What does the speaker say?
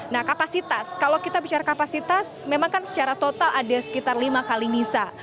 nah kapasitas kalau kita bicara kapasitas memang kan secara total ada sekitar lima kali misa